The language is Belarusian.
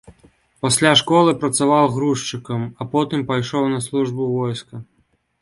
Пасля школы працаваў грузчыкам, а потым пайшоў на службу ў войска.